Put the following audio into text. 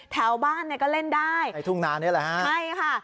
แถวบ้านเนี่ยก็เล่นได้ในทุ่งนานี่แหละฮะใช่ค่ะ